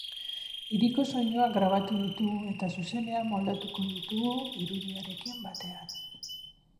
Hiriko soinuak grabatu ditugu eta zuzenean moldatuko ditugu irudiarekin batean.